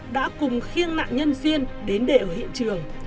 đã cùng khiêng nạn nhân diên đến để ở hiện trường